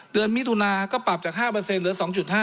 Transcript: เดือนมิถุนาก็ปรับจาก๕เปอร์เซ็นต์เหลือ๒๕